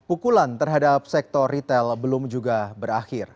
pukulan terhadap sektor retail belum juga berakhir